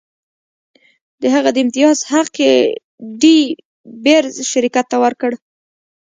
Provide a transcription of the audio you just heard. د هغه د امتیاز حق یې ډي بیرز شرکت ته ورکړ.